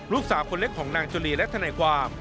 ลูกสาวคนเล็กของนางจุลีและทนายความ